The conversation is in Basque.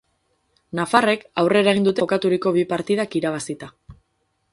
Nafarrek aurrera egin dute jokaturiko bi partidak irabazita.